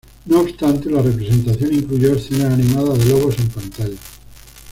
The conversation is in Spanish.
No obstante, la representación incluyó escenas animadas de lobos en pantalla.